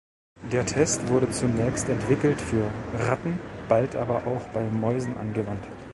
Der Test wurde zunächst entwickelt für Ratten, bald aber auch bei Mäusen angewandt.